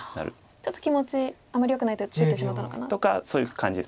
ちょっと気持ちあまりよくない手を打ってしまったのかな。とかそういう感じです。